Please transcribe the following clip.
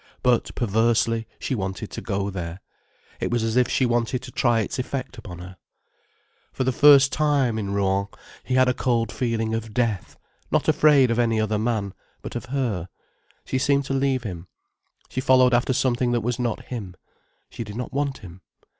But, perversely, she wanted to go there. It was as if she wanted to try its effect upon her. For the first time, in Rouen, he had a cold feeling of death; not afraid of any other man, but of her. She seemed to leave him. She followed after something that was not him. She did not want him.